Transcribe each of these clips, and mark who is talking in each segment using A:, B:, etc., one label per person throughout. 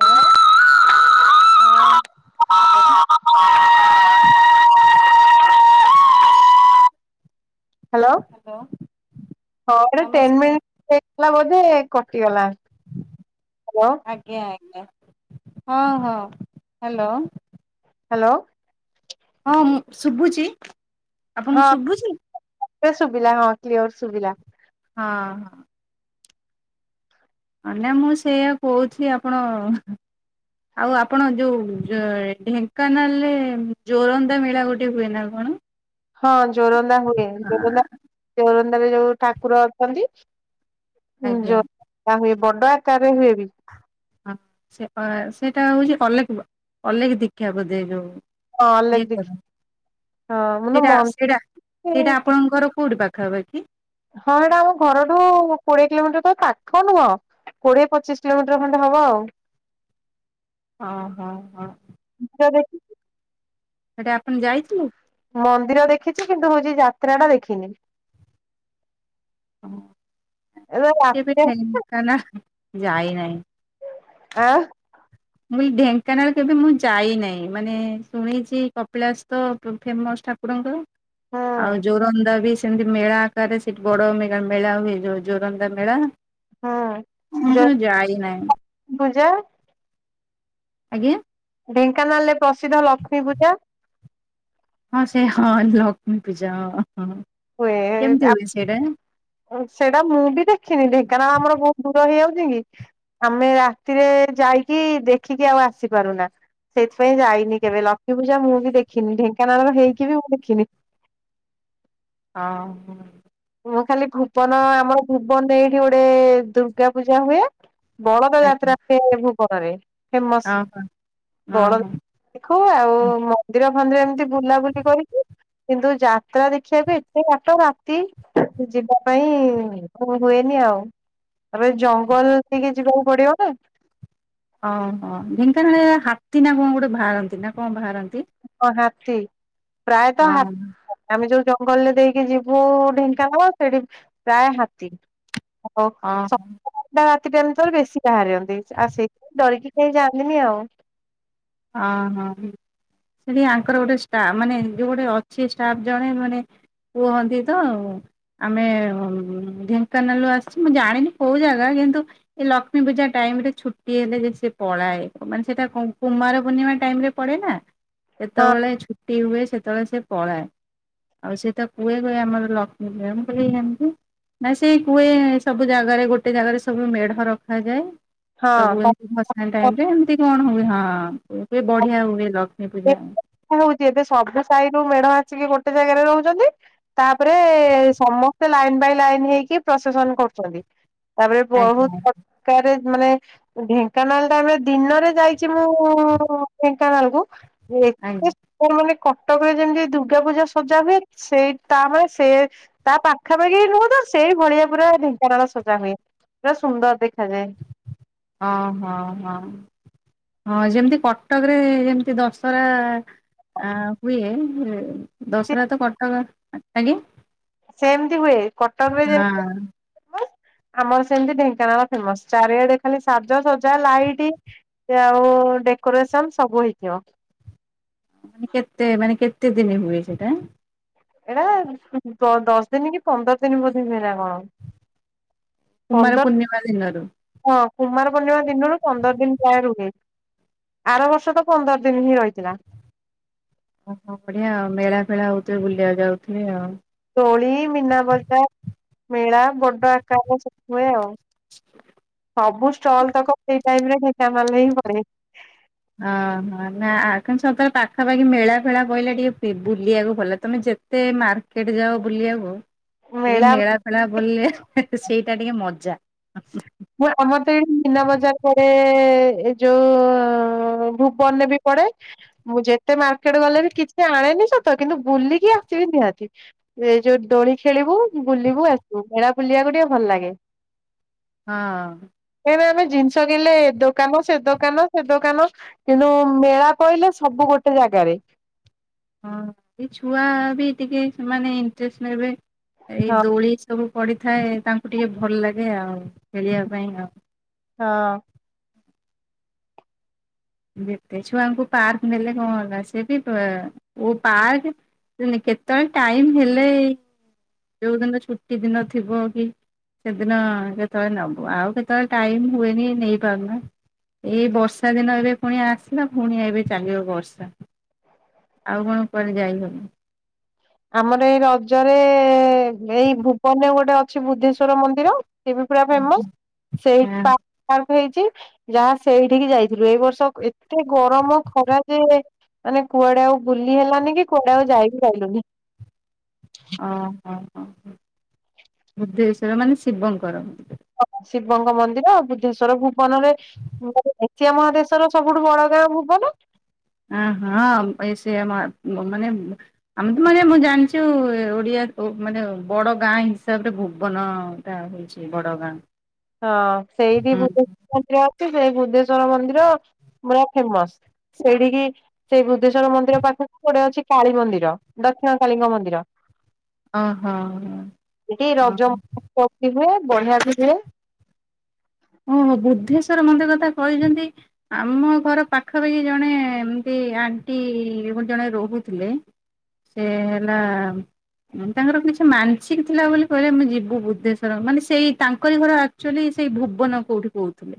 A: Hello. ହଁ hello.
B: Hello
A: hello.
B: ହଁ [unintelligible] ବୋଧେ କଟିଗଲା ହ୍ୟାଲୋ
A: ଆଜ୍ଞା ଆଜ୍ଞା। ହଁ ହଁ ହାଲୋ।
B: ହାଲୋ।
A: ହଁ ମୁଁ ଶୁଭୁଛି ଆପଣଙ୍କୁ ଶୁଭୁଛି?
B: ଏ ଶୁଭିଲା ହଁ କ୍ଲିଓର ଶୁଭିଲା।
A: ହଁ ହଁ। ନା ମୁଁ ସେଆ କହୁଥିଲି ଆପଣ ଆଉ ଆପଣ ଯୋଉ ଢେଙ୍କାନାଳରେ ଜୋରନ୍ଦା ମେଳା ଗୋଟେ ହୁଏ ନା କଣ?
B: ହଁ ଜୋରନ୍ଦା ହୁଏ ଜୋରନ୍ଦା ଜୋରନ୍ଦ ଯୋଉ ଠାକୁର ଅଛନ୍ତି। ହଁ
A: ଆଜ୍ଞା
B: ଯୋ ଆ ହୁଏ ବଡ ଆକାରରେ ହୁଏ ବି।
A: ହଁ ସେ ସେଇଟା ହଉଛି ଅଲେକ ଅଲେଖ ଦୀଖା ବୋଧ
B: ହଁ
A: ଯୋଉ।
B: ଲେଖ ଦେଖି ହଁ ମାନେ
A: ସେଟା
B: ମନ୍ଥଲି
A: ସେଟା ସେଇଟା ଆପଣଙ୍କର କୋଉଠି ପାଖ ଖ ହବ କି?
B: ହଁ ସେଟା ଆମ ଘରଠୁ କୋଡିଏ କିଲୋମିଟର ତ ପାଖ ନୁହଁ। କୋଡିଏ ପଚିଶ କିଲୋମିଟର ଖଣ୍ଡେ ହବ ଆଉ।
A: ହଁ ହଁ ହଁ।
B: ତ ଦେଖ।
A: ସେଟା ଆପଣ ଯାଇଥିଲୁ।
B: ମନ୍ଦିର ଦେଖିଛି କିନ୍ତୁ ହଉଛି ଯାତ୍ରା ଟା ଦେଖିନି। ଏବେ
A: କେବେ
B: ରାତିରେ
A: ଯାଇ ନାହିଁ।
B: ଆଁ?
A: ମୁଁ ଏଇ ଢେଙ୍କାନାଳ କେବେ ମୁଁ ଯାଇନାହିଁ ମାନେ ଶୁଣିଛି କପିଳାସ ତ ଫେମସ। ଠାକୁରଙ୍କର।
B: ହୁଁ
A: ଆଉ ଜୋରନ୍ଦା ବି ସେମତି ମେଳା ଆକାରରେ ସେଠି ବଡ ମେଳା ହୁଏ ଯୋଉ ଜୋରନ୍ଦା ମେଳା।
B: ହୁଁ
A: ମୁଁ
B: ଲକ୍ଷ୍ମୀ
A: ଯାଇ ନାହିଁ।
B: ପୂଜା
A: ଆଜ୍ଞା।
B: ଢେଙ୍କାନାଳରେ ପ୍ରସିଦ୍ଧ ଲକ୍ଷ୍ମୀ ପୂଜା।
A: ହଁ ସେ ହଁ ଲକ୍ଷ୍ମୀ ପୂଜା।
B: ହୁଏ
A: କେମତିିବଏ ସେଇଟା
B: ସେଇଟା ମୁଁ ବି ଦେଖିନି ଢେିକଣ ଆମର ବହୁତ ଦୂର ହେଇଯାଉଛି। ଆମେ ରାତିରେ ଯାଇକି ଦେଖିକି ଆଉ ଆସିପାରୁନା। ସେଥିପାଇଁ ଯାଇନି କେବେ ଲକ୍ଷ୍ମୀ ପୂଜା ମୁଁ ବି ଦେଖିନି ଢେଙ୍କାନାଳ ହେଇକି ବି ମୁଁ ଦେଖିନି।
A: ହଁ ହଁ
B: ମୁଁ ଖାଲି ଭୁବନ ଆମର ଭୁବନରେ ଏଇଠି ଗୋଟେ ଦୁର୍ଗା ପୂଜା ହୁଏ। ବଳଦ ଯାତ୍ରା
A: ଆଜ୍ଞା
B: ହୁଏ ଭୁବନରେ। ଫେମସ୍
A: ଓହୋ
B: ବଳଦ
A: ଓହୋ।
B: ଦେଖ ଆଉ ମନ୍ଦିର ରେ ଏମିତି ବୁଲାବୁଲି କରିକି କିନ୍ତୁ ଯାତ୍ରା ଦେ ଖି ବି ଏତେ କାଟ ରାତି ଯିବା ପାଇଁ କଣ ହୁଏନି ଆଉ। ଏବେ ଜଙ୍ଗଲ ଟିକେ ଯିବାକୁ ପଡିବ ନା।
A: ଓହୋ ଢେଙ୍କାନାଳ ହାତୀ ନା କଣ ଗୋଟେ ବାହାରନ୍ତି ନା କଣ ବାହାରନ୍ତି?
B: ହଁ ହାତୀ ପ୍ରାୟତଃ
A: ହଁ
B: ହାତୀ ଆମେ ଯୋଉ ଗଲେ ଦେଇକି ଯିବୁ ଢେଙ୍କା ସେଠି ପ୍ରାୟ ହାତୀ। ହଉ
A: ହଁ
B: ସକାଳଟା ସେଟା ତୋର ବେଶୀ ବାହାରିନ୍ତି ଆ ସେଇଥି ପାଇଁ ଡରିକି କେହି ଯାଆନ୍ତିନି ଆଉ।
A: ହଁ ହଁ ହଁ। ସେଠି ଆଙ୍କର ଗୋଟେ ମାନେ ଯୋଉ ଗୋଟେ ଅଛି ଷ୍ଟାଫ ଜଣେ ମାନେ କୁହନ୍ତି ତ ଆମେ ଢେଙ୍କାନାଳ ଆସିଛୁ ମୁଁ ଜାଣିନି କୋଉ ଜାଗା କିନ୍ତୁ ଏ ଲକ୍ଷ୍ମୀ ପୂଜା ଟାଇମ ରେ ଛୁଟି ହେଲେ ଯେ ସେ ପଳାଏ ମାନେ ସେଟା କୁମାର ପୂର୍ଣ୍ଣିମା ଟାଇମ୍ ରେ ପଡେ ନା। ଯେତେବେଳେ ଛୁଟି ହୁଏ ସେତେବେଳେ ସେ ପଳାଏ। ଆଉ ସିଏ ତ କୁହେ କୁହେ ଆମର ଲକ୍ଷ୍ମୀପମ କ ଏମତି। ନା ସେ କୁଏ ସବୁ ଜାଗାରେ ଗୋଟେ ଜାଗାରେ ସବୁ ମେ ରଖାଯାଏ। ସବୁ
B: ହଁ
A: ଏମତି ଭସାଣି
B: ହଁ
A: ଟାଇମ୍ ରେ ଏମିତି କଣ ହୁଏ। ହଁ ହୁଏ ବଢିଆ ହୁଏ ଲ।
B: ହଉଛି ଏବେ ସବୁ ସାଇ ରୁ ମେ ଢ ଆସିକି ଗୋଟେ ଜାଗାରେ ରହୁଛନ୍ତି। ତାପରେ ସମସ୍ତେ ଲାଇନ୍ ବାଇ ଲାଇନ୍ ହେଇକି ପ୍ରସେସନ ନ କରୁଛନ୍ତି। ତାପରେ
A: ଆଜ୍ଞା
B: ବହୁତ ପ୍ରକାରେ ମାନେ ଢେଙ୍କାନାଳ ଟାଇମ୍ ରେ ଦିନରେ ଯାଇଛି ମୁଁ। ଙ୍କାନାଳକୁ
A: ଆଜ୍ଞା
B: ଏତେ ସୁନ୍ଦର ମାନେ କଟକରେ ଯେମିତି ଦୁର୍ଗା ପୂଜା ସଜା ହୁଏ। ସେଇ ତାଭଳି ସେ ତା ପାଖାପାଖି ନୁହଁତ ସେଇ ଭଳିଆ ପୁରା ଢେଙ୍କାନାଳ ସଜା ହୁଏ। ପୁରା ସୁନ୍ଦର ଦେଖ
A: ହ ହଁ ହଁ। ହଁ ଯେମିତି କଟକରେ ଯେମିତି ଦଶହରା ଆ ହୁଏ ଦଶରା ତ କଟକ ଆଜ୍ଞା
B: ସେମତି ହୁଏ। କଟକରେ ଯେମତି
A: ହଁ
B: ହୁଏ। ଆମର ସେମିତି ଢେଙ୍କାନାଳ ଫେମସ। ଚାରିଆଡେ ଖାଲି ସାଜସଜା ଲାଇଟି। ଆଉ ଡେକୋରେସନ ସବୁ ହେଇଥିବ।
A: ମାନେ କେତେ ମାନେ କେତେ ଦିଣି ହୁଏ ସେଟା?
B: ଏଟା ଦ-ଦ-ଦଶ ଦିନ କି ପନ୍ଦର ଦିନ ବୋଧେ ହୁଏ କି କଣ।
A: କୁମାର
B: ପନ୍ଦର
A: ପୂର୍ଣ୍ଣିମା ଦିନରୁ।
B: ହଁ କୁମାର ପୂର୍ଣ୍ଣିମା ଦିନରୁ ପନ୍ଦର ଦିନ ପ୍ରାୟ ରୁହେ। ଆର ବର୍ଷ ତ ପନ୍ଦର ଦିନ ହିଁ ରହିଥିଲା।
A: ଓହୋ ବଢିଆ ଆଉ ମେଳା ଫେଳା ହଉଥିବେ। ବୁଲିବାକୁ ଯାଉଥିବେ ଆଉ।
B: ଦୋଳି ମୀନା ବଜାର ମେଳା ବଡ ଆକାର ସବୁ ହୁଏ ଆଉ। ସବୁ ଷ୍ଟଲ ତକ ସେଇ ଟାଇମ୍ ରେ ଢେଙ୍କାନାଳରେ ହିଁ ପଡେ
A: ହଁ ହଁ। ନା ଆ କ ସ ପାଖପାଖି ମେଳା ଫେଳା କହିଲା ଟିକେ ବୁଲିବାକୁ ଭଲ। ତମେ ଯେତେ ମାର୍କେଟ ଯାଅ ବୁଲି ବାକୁ ଟିକେ ମେଳା ଫେଳା ବୁଲିଲେ ସେଇଟା ଟିକେ ମଜା।
B: ମୁଁ ଆମର ତ ଏଇଠି ମୀନା ବଜାର ପଡେ। ଏ ଯୋଉ ଭୁବନରେ ବି ପ ପଡେ ମୁଁ ଯେତେ ମାର୍କେଟ୍ ଗଲେ ବି କିଛି ଆଣେନି ସତ। କିନ୍ତୁ ବୁଲିକି ଆସିବି ନିହାତି। ଏଇ ଯୋଉ ଦୋଳି ଖେଳିବୁ। ବୁଲିବୁ ଆସିବୁ। ମେଳା ବୁଲିବାକୁ ଟିକେ ଭଲ ଲାଗେ।
A: ହଁ।
B: ଆମେ ଜିନିଷ କିଣିଲେ ଏ ଦୋକାନ ସେ ଦୋକାନ ସେ ଦୋକାନ କିନ୍ତୁ ମେଳା ପହିଲେ ସବୁ ଗୋଟେ ଜାଗାରେ।
A: [inaudible] ହଁ ଏଇ ଛୁଆ ବି ଟିକେ ସେମାନେ ଇଣ୍ଟରେଷ୍ଟ ନେବେ। ଏଇ
B: ହଁ
A: ଦୋଳି ସବୁ ପଡ଼ିଥାଏ ତାଙ୍କୁ ଟିକେ ଭଲ ଲାଗେ ଆଉ। ଖେଳିବା ପାଇଁ ଆଉ।
B: ହଁ।
A: ଯେତେ ଛୁଆଙ୍କୁ ପାର୍କ ନେଲେ କଣ ହେଲା ସେ ବି ପା ପାର୍କ କେତେବେଳେ ଟାଇମ୍ ହେଲେ ଯୋଉ ଦିନ ଛୁଟି ଦିନ ଥିବ କି ସେଦିନ କେତେବେଳେ ନବୁ। ଆଉ କେତେବେଳେ ଟାଇମ୍ ହୁଏନି ନେଇ ପାରୁନା। ଏଇ ବର୍ଷା ଦିନ ଏବେ ପୁଣି ଆସିଲା। ପୁଣି ଏବେ ଚାଲିବ ବର୍ଷା। ଆଉ କଣ କୁଆଡେ ଯାଇ ହବ।
B: ଆମର ଏଇ ରଜରେ ଏଇ ଭୁବନ ଗୋଟେ ଅଛି ବୁଦ୍ଧେଶ୍ଵର ମନ୍ଦିର। ସେ ବି ପୁରା ଫେମସ। ସେଇଠି
A: ହଁ
B: ପା ପା ହେଇଛି ଯାହା ସେଇଠିକି ଯାଇଥିଲୁ। ଏଇ ବର୍ଷ ଏତେ ଗରମ ଖରା ଯେ ମାନେ କୁଆଡେ ଆଉ ବୁଲି ହେଲାନି। କି କୁଆଡେ ଆଉ ଯାଇବି ପାଇଲୁନି।
A: ବୁଦ୍ଧେଶ୍ୱର ମାନେ ଶିବଙ୍କର।
B: ଶିବଙ୍କ ମନ୍ଦିର ବୁଦ୍ଧେଶ୍ଵର ଭୁବନରେ ଏସିଆ ମହାଦେଶର ସବୁଠୁ ବଡ ନା ଭୁବନ।
A: ଅଁ ହଁ ଏ ସେ ମ ମାନେ ଆମେ ତ ମାନେ ମୁଁ ଜାଣିଚୁ ଓଡିଆ ମାନେ ଉ ମାନେ ବଡ ଗାଁ ହିସାବରେ ଭୁବନଟା ହଉଛି ବଡ ଗାଁ।
B: ହଁ ସେଇଠି। [unintelligible] ସେଇ ବୁଦ୍ଧେଶ୍ଵର ମନ୍ଦିର ପୁରା ଫେମସ୍। ସେଇଠିକି ସେଇ ବୁଦ୍ଧେଶ୍ଵର ମନ୍ଦିର ପାଖରେ ଗୋଟେ ଅଛି କାଳୀ ମନ୍ଦିର ଦକ୍ଷିଣ କାଳୀଙ୍କ ମନ୍ଦିର।
A: ଓହୋ
B: ସେଠି ରଜ
A: ଓହୋ
B: ମହୋତ୍ସବ ହୁଏ, ବଢିଆ ବି ହୁଏ।
A: ଓହୋ ବୁଦ୍ଧେଶ୍ଵର ମନ୍ଦିର କଥା କହିଛନ୍ତି ଆମ ଘର ପାଖପାଖି ଜଣେ ଏମତି ଆଣ୍ଟି ଜଣେ ରହୁଥିଲେ। ସେ ହେଲା ତାଙ୍କର କିଛି ମାନସିକ ଥିଲା ବୋଲି କହିଲେ ଆମେ ଯିବୁ ବୁଦ୍ଧେଶ୍ଵର। ମାନେ ସେଇ ତାଙ୍କରି ଘର ଆକ୍ଟୁଆଲି ସେଇ‌ ଭୁବ ଭୁବନ କୋଉଠି କହୁଥିଲେ।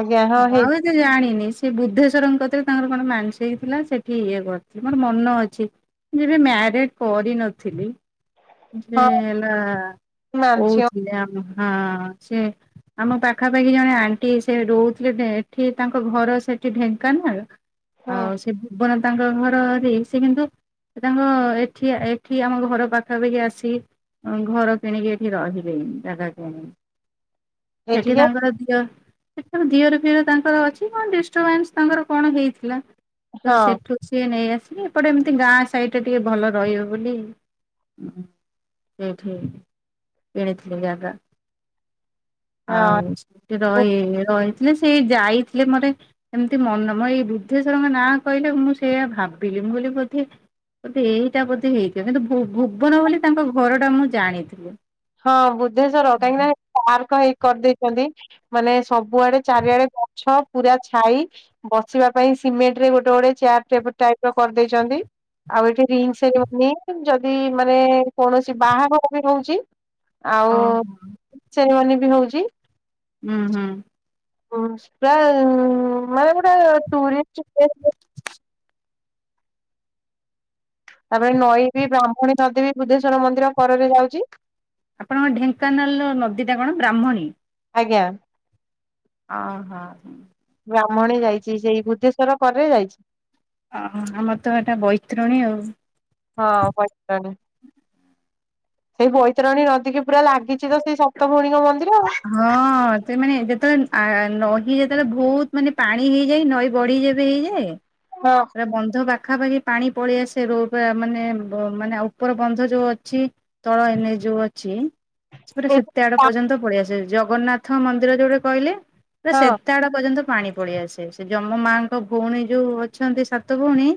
B: ଆଜ୍ଞା ହଁ
A: ମୁଁ
B: ହେଇ
A: ଆଉ ଏତେ ଜାଣିନି। ସେ ବୁଦ୍ଧେଶ୍ୱରଙ୍କ କତିରେ ତାଙ୍କର କଣ ମାନସିକ ଥିଲା ସେଠି ଇଏ କରିଥିଲେ। ମୋର ମନ ଅଛି। ଯେବେ ମ୍ୟାରେଜ କରିନଥିଲି। ଯେ
B: ହଁ
A: ହେଲା
B: ମାଂସିକ
A: କହୁଥିଲେ ଆମ ହଁ ସେ ଆମ ପାଖାପାଖି ଜଣେ ଆଣ୍ଟି ସେ ରହୁଥିଲେ ଢେ ଏଠି ତାଙ୍କ ଘର ସେଠି ଢେଙ୍କାନାଳ।
B: ହଁ
A: ଆଉ ସେ ଭୁବନ ତାଙ୍କ ଘର। ସେଇ ସେବି କିନ୍ତୁ ତାଙ୍କ ଏଠି ଏଠି ଆମ ଘର ପା ପାଖପାଖି ଆସିକି ଘର କିଣିକି ଏଠି ରହିବେଣି। ଜାଗା କିଣିକି। ସେଠି
B: ଏଠିକି
A: ତାଙ୍କର ଦିଅ ସେଠି ତାଙ୍କ ଦିଅର ଫିଅର ତାଙ୍କର ଅଛି କଣ ଡିଷ୍ଟର୍ବାନ୍ସ ତାଙ୍କର କଣ ହେଇଥିଲା। ତ
B: ହଁ
A: ସେଠୁ ସିଏ ନେଇଆସିକି ଏପଟେ ଏମିତି ଗାଁ ସାଇଡରେ ଟିକେ ଭଲ ରହିବ ବୋଲି ହଁ ସେଠି କିଣି ଥିଲେ ଜାଗା। ଆଉ
B: ହଁ
A: ସେଠି ରହି ରହି ମୁଁ ସେଇ ଯାଇଥିଲେ ମୋତେ ଏମିତି ମନ ମ ଏଇ ବୃଦ୍ଧେଶ୍ଵରଙ୍କ ନାଁ କହିଲେ ମୁଁ ସେଇଆ ଭାବିଲି। ମୁଁ କହିଲି ବୋଧେ ବୋଧେ ଏଇଟା ବୋଧେ ହେଇଥିବ। କିନ୍ତୁ ଭୁ ଭୁବନ ବୋଲି ତାଙ୍କ ଘରଟା ମୁଁ ଜାଣିଥିଲି।
B: ହଁ ବୁଦ୍ଧେଶ୍ଵର କାହିଁକିନା ପାର୍କ ହେଇ କରିଦେଇଛନ୍ତି ମାନେ ସବୁଆଡେ ଚାରିଆଡେ ଗଛ ପୁରା ଛାଇ ବସିବା ପାଇଁ ସି ସିମେଣ୍ଟରେ ଗୋଟେ ଗୋଟେ ଚେୟାର ଟେବୁଲ ଟାଇପର କରିଦେଇଚନ୍ତି। ଆଉ ଏଠି ରିଙ୍ଗ୍ ସେରିମନି ଯଦି ମାନେ କୌଣସି ବାହାଘର ବି ରହୁଚି ଆଉ
A: ଓହୋ।
B: ସେରିମନି ବି ହଉଚି।
A: ହୁଁ ହୁଁ।
B: [unintelligible] ମାନେ ଗୋଟେ ଟୁରିଷ୍ଟ ପ୍ଲେସ। ତାପରେ ନଈ ବି ବ୍ରାହ୍ମଣୀ ନଦୀ ବି ବୁଦ୍ଧେଶ୍ଵର ମନ୍ଦିର କରରେ ଯାଉଚି।
A: ଆପଣଙ୍କ ଢେଙ୍କାନାଳର ନଦୀଟା କଣ ବ୍ରାହ୍ମଣୀ।
B: ଆଜ୍ଞା।
A: ହଁ ହଁ।
B: ବ୍ରାହ୍ମଣୀ ଯାଇଛି ସେଇ ବୁଦ୍ଧେଶ୍ଵର କରେ ଯାଇଛି।
A: ଓହ ଆମର ତ ଏଟା ବୈତରଣୀ ଆଉ।
B: ହଁ ପଇସାନି ସେଇ ବୈତରଣୀ ନଦୀକି ପୁରା ଲାଗିଛି ତ ସେଇ ସପ୍ତ ଭଉଣୀଙ୍କ ମ
A: ହଁ ତ ମାନେ ଯେତେବେଳେ ଆ‌ ନ ଈ ଯେତେବେଳେ ବହୁତ ମାନେ ପାଣି ହେଇଯାଏ ନଈ ବଢିଯେବେ ହେଇଯାଏ,
B: ଆଉ।
A: ଏଟା ବନ୍ଧ ବା ପାଖାପାଖି ପାଣି ପଳେଇ ଆସେ ରୋ ପା ମାନେ ବ ମାନେ ଉପର ବନ୍ଧ ଯୋଉ ଅଛି ତଳ ଏନଏଚ ଯୋଉ ଅଛି ସେପଟେ
B: ଏଇ
A: ସେତେ ଆଡ ପର୍ଯ୍ୟନ୍ତ ପଳେଇ ଆସେ। ଜଗନ୍ନାଥ ମନ୍ଦିର ଯୋଉଠି କହିଲେ ତ
B: ହଁ
A: ସେତେଆଡ ପର୍ଯ୍ୟନ୍ତ ପାଣି ପଳେଇଆସେ। ସେ ଜମ ମାଙ୍କ ଭଉଣୀ ଯୋଉ ଅଛନ୍ତି ସାତ ଭଉଣୀ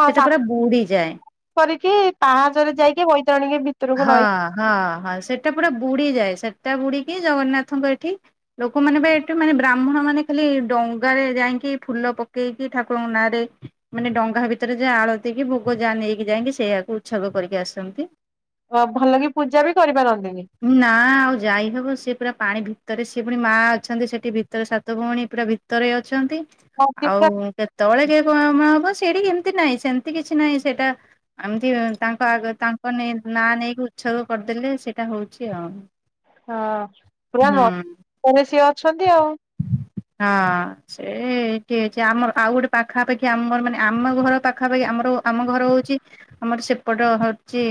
B: ହଁ
A: ସେଟା
B: ସା
A: ପୁରା ବୁଡିଯାଏ
B: କରିକି ପାହାଚରେ ଯାଇକି ବୈତରଣୀକି ଭି
A: ହଁ ହଁ ହଁ ସେଟା ପୁରା ବୁଡି ଯାଏ। ସେ ତା ବୁଡିକି ଜଗନ୍ନାଥଙ୍କ ଏଠି ଲୋକମାନେ ବି ଏଠି ମାନେ ବ୍ରାହ୍ମଣ ମାନେ ଖାଲି ଡଙ୍ଗାରେ ଯାଇଁ ଫୁଲ ପକେଇକି ଠାକୁରଙ୍କ ନାଁ ରେ ମାନେ ଡଙ୍ଗା ଭିତରେ ଯା ଆଳତୀ କି ଭୋଗ ଯା ନେଇକି ଯାଇକି ସେ ସେୟାକୁ ଉତ୍ସର୍ଗ କରିକି ଆସନ୍ତି।
B: ଭଲ କି ପୂଜା ବି କରିବା ନନ୍ଦିନୀ।
A: ନାଁ। ପୁରା ପାଣି ଭିତରେ ସିଏ ପୁଣି ମା ଅଛନ୍ତି ସେଠି ଭିତରେ ସାତ ଭଉଣୀ ପୁରା ଭିତରେ ଅଛନ୍ତି।
B: ହଁ
A: ଆଉ କେତେବେଳେ କିଏ କୁଆ ମା ହବ। ସେଠି ଏମିତି ନାହିଁ ସେମିତି କିଛି ନାହିଁ ସେଇଟା ଏମିତି ତାଙ୍କ ଆଗ ତାଙ୍କ ନେଇ ନା ନେଇକି ଉଚ୍ଛବ କରିଦେଲେ ସେଇଟା ହଉଛି ଆଉ।
B: ହଁ ପୁରା
A: ହୁଁ
B: ମର୍ତ୍ତ୍ୟରେ ସିଏ ଅଛନ୍ତି ଆଉ।
A: ହଁ ସେଠି ଅଛି ଆମର ଆଉ ଗୋଟେ ପାଖାପାଖି ଆମର ମାନେ ଆମ ଘର ପାଖାପାଖି ଆମର ଆମ ଘର ହଉଛି ଆମର ସେପଟ ହଉଛି।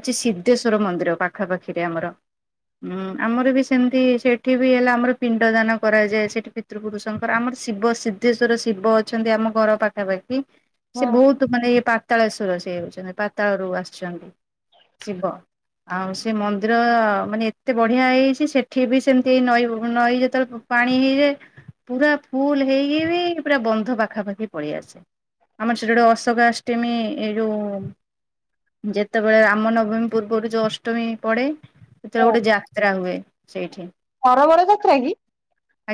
A: ଅଛି ସିଦ୍ଧେଶ୍ଵର ମନ୍ଦିର ପାଖା ପାଖିରେ ଆମର। ହୁଁ ଆମର ବି ସେମିତି ସେଠି ବି ହେଲା ଆମର ପିଣ୍ଡ ଦାନ କରାଯାଏ ସେଠି ପିତୃପୁରୁଷଙ୍କର ଆମର ଶିବ ସିଦ୍ଧେଶ୍ଵର ଶିବ ଅଛନ୍ତି ଆମ ଘର ପାଖାପାଖି ସେ ବହୁତ ମାନେ ଇଏ ପାତାଳେଶ୍ଵର ସିଏ ସେନ ପାତାଳ ରୁ ଆସିଛନ୍ତି। ଶିବ। ଆଉ ସେ ମନ୍ଦିର ମାନେ ଏତେ ବଢ଼ିଆ ହେଇଛି ସେଠି ବି ସେମିତି ଏ ନଈ ନଈ ଯେତେବେଳେ ପାଣି ହେଇଯାଏ ପୁରା ଫୁଲ ହେଇକି ବି ପୁରା ବନ୍ଧ ପାଖାପାଖି ପଳେଇ ଆସେ। ଆମର ସେଠି ଗୋଟ ଅଶୋକା ଅଷ୍ଟମୀ ଏଇ ଯୋଉ ଯେତବେ [unintelligible] ରାମ ନବମୀ ପୂର୍ବରୁ ଯୋଉ ଅଷ୍ଟମୀ ପଡ଼େ ସେତେବେଳେ
B: ହଁ
A: ଗୋଟେ ଯାତ୍ରା ହୁଏ ସେଇଠି
B: ସରୋବର ଯାତ୍ରା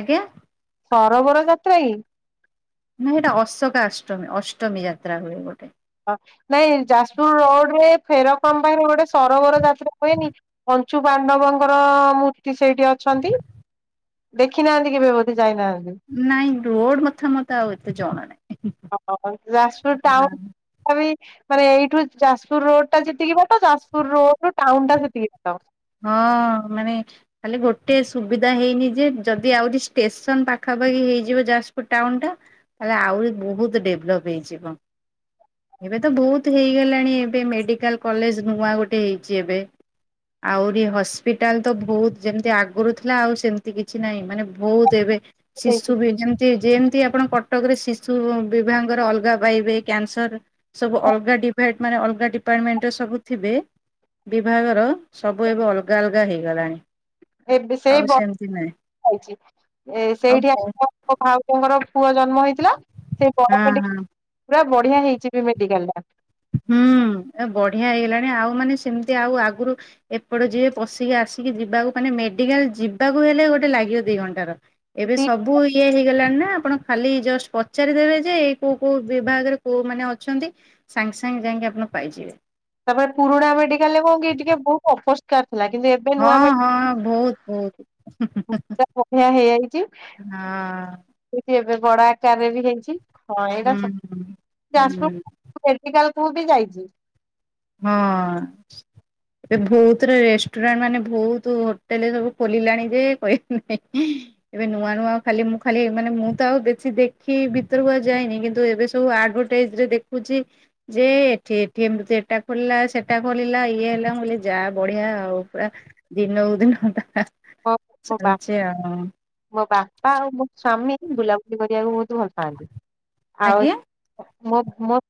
A: ଆଜ୍ଞା।
B: ସରବର ଯାତ୍ରା କି?
A: ନାଇ ହେଇଟା ଅଶୋକ ଅଷ୍ଟମୀ ଅଷ୍ଟମୀ ଯାତ୍ରା ହୁଏ ଗୋଟେ।
B: ହଁ ନାଇଁ ଯାଜପୁର ରୋଡରେ ଫେରକମ୍ ପାଇଁ ରୋଡ଼ରେ ସରୋବର ଯାତ୍ରା ହୁଏନି। କଞ୍ଚୁ ପାଣ୍ଡବଙ୍କର ମୂର୍ତ୍ତି ସେଇଠି ଅଛନ୍ତି। ଦେଖି ନାହାନ୍ତି କେବେ ବୋଧେ ଯାଇନାହାନ୍ତି।
A: ନାଇଁ ରୋଡ ମତାମତା ଆଉ ଏତେ ଜଣ ନାହିଁ।
B: ହ ହ ଯାଜପୁର
A: ନା
B: ଟାଉନ ମାନେ ଏଇଠୁ ଯାଜପୁର ରୋଡ ଟା ଯେତିକି ବାଟ ଯାଜପୁର ରୋଡୁ ଟାଉନ ଟା ସେତିକି ବାଟ।
A: ହଁ ମାନେ ଖାଲି ଗୋଟେ ସୁବିଧା ହେଇନି ଯେ ଯଦି ଆହୁରି ଷ୍ଟେସନ ପାଖା ପାଖି ହେଇଯିବ ଯାଜପୁର ଟାଉନଟା ତାଲେ ଆହୁରି ବହୁତ ଡେଭଲପ ହେଇଯିବ। ଏବେ ତ ବହୁତ ହେଇଗଲାଣି ଏବେ ମେଡିକାଲ କଲେଜ ନୂଆ ଗୋଟେ ହେଇଛି ଏବେ। ଆହୁରି ହସ୍ପିଟାଲ ତ ବହୁତ ଯେମିତି ଆଗରୁ ଥିଲା ଆଉ ସେମିତି କିଛି ନାହିଁ ମାନେ ବହୁତ ଏବେ
B: ହେଇଛି
A: ଶିଶୁ ବି ଯେମତି ଜିମ ଯଦି ଆପଣ କଟକରେ ଶିଶୁ ବିଭାଗର ଅଲଗା ପାଇବେ କ୍ୟାନସର ସବୁ ଅଲଗା ଡିଭା ମାନେ ଅଲଗା ଡିପାର୍ଟମେଣ୍ଟ ସବୁ ଥିବେ ବିଭାଗର। ସବୁ ଏବେ ଅଲଗା ଅଲଗା ହେଇଗଲାଣି।
B: ଏବେ ସେଇ
A: ଆଉ
B: ବ
A: ସେମିତି ନାହିଁ
B: ପାଇଛି ଏ
A: ଆଉ
B: ସେଇଠି ଆ
A: ହଁ
B: [unintelligible] ଭାଉଜଙ୍କର ପୁଅ ଜନ୍ମ ହେଇଥିଲା ସେଇ ବ [unintelligible] ମ
A: ହଁ
B: ପୁରା ବଢିଆ ହେଇଛି ବି ମେଡିକାଲଟା।
A: ହୁଁ। ଏ ବଢିଆ ହେଇଗଲାଣି ଆଉ ମାନେ ସେମିତି ଆଉ ଆଗରୁ ଏପଟେ ଯିଏ ପଶିକି ଆସିକି ଯିବାକୁ ମାନେ ମେଡିକାଲ ଯିବାକୁ ହେଲେ ଗୋଟେ ଲାଗିବ ଦି ଘଣ୍ଟାର ଏବେ
B: ଦି
A: ସବୁ ଇଏ ହେଇଗଲାଣି ନା। ଆପଣ ଖାଲି ଜଷ୍ଟ ପଚାରି ଦେବେ ଯେ ଏଇ କୋଉ କୋଉ ବିଭାଗରେ କୋଉ ମାନେ ଅଛନ୍ତି ସାଙ୍ଗସା ସାଙ୍ଗେ ସାଙ୍ଗେ ଆପଣ ପାଇଯିବେ।
B: ତାପରେ ପୁରୁଣା ମେଡିକାଲରେ କଣ କି ଟିକେ ବହୁତ ଅପରିଷ୍କାର। ଥିଲା କିନ୍ତୁ ଏବେ ନୂଆ
A: ହଁ ହଁ ବହୁତ ବହୁତ ହୁଁ ହୁଁ
B: ମେଡିକାଲ ବଢିଆ
A: ହଁ। ହଁ।
B: ଏଇଠି ଏବେ ବଡ ଆକାରରେ ବି ହେଇଛି ହଁ ଏଇଟା
A: ହୁଁ
B: ସତ
A: ହୁଁ
B: ଯାଜପୁର ମେଡିକାଲ। ତୁ ବି ଯାଇଛି।
A: ହଁ। ଏବେ ବହୁତରେ ରେଷ୍ଟୁରାଣ୍ଟ ମାନେ ବହୁତ ହୋଟେଲ ସବୁ ଖୋଲିଲାଣି ଯେ କହିବ ନାହିଁ। ଏବେ ନୂଆ ନୂଆ ଖାଲି ମୁଁ ଖାଲି ମାନେ ମୁଁ ତ ଆଉ ବେଶୀ ଦେଖି ଭିତରକୁୁ ଆଉ ଯାଇନି କିନ୍ତୁ ଏବେ ସବୁ ଆ ଆଡ଼ଭଟାଇଜରେ ଦେଖୁଛି ଯେ ଏଠି ଏଠି ଏମିତି ଏଟା ଖୋଲିଲା ସେଟା ଖୋଲିଲା ଇଏ ହେଲା ମୁଁ କଇଲି ଯା ବଢିଆ ଆଉ ପୁରା ଦିନକୁ ଦିନ ‌।
B: ହଁ ମୋ ବା ମୋ ବାପା ଆଉ ମୋ ସ୍ଵାମୀ ବୁଲାବୁଲି କରିବାକୁ ବହୁତ। ଭଲ ପାଆନ୍ତି ଆଉ
A: ଆଜ୍ଞା।
B: ମୋ ମୋ।